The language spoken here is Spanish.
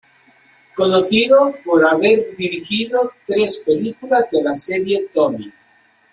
Conocido por haber dirigido tres películas de la serie Tomie.